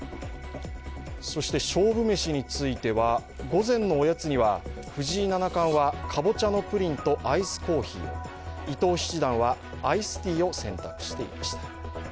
そして勝負メシについては午前のおやつには、藤井七冠はかぼちゃのプリンとアイスコーヒーを、伊藤七段はアイスティーを選択していました。